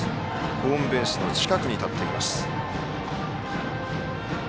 ホームベースの近くに立っています。